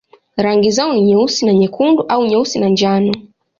Rangi zao ni nyeusi na nyekundu au nyeusi na njano.